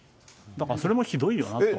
だからそれもひどいよなと。